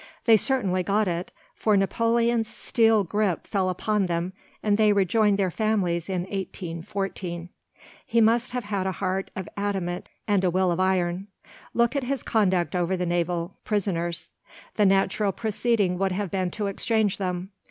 They certainly got it, for Napoleon's steel grip fell upon them, and they rejoined their families in 1814. He must have had a heart of adamant and a will of iron. Look at his conduct over the naval prisoners. The natural proceeding would have been to exchange them.